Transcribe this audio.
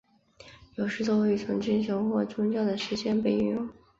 有时作为一种精神或宗教的实践被运用。